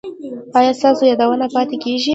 ایا ستاسو یادونه پاتې کیږي؟